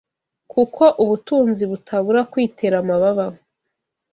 Kuko ubutunzi butabura kwitera amababa